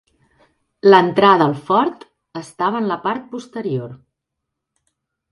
L'entrada al fort estava en la part posterior.